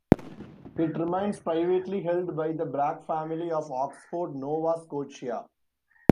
It remains privately held by the Bragg family of Oxford, Nova Scotia.